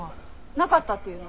なかったっていうの？